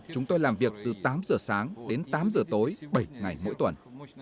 chúng tôi làm việc từ tám giờ sáng đến tám giờ tối bảy ngày mỗi tuần